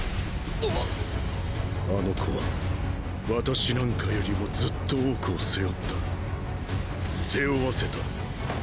あの子は私なんかよりもずっと多くを背負った背負わせた！